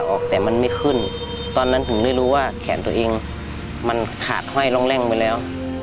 ออกแต่มันไม่ขึ้นตอนนั้นถึงได้รู้ว่าแขนตัวเองมันขาดห้อยร้องแร่งไปแล้ว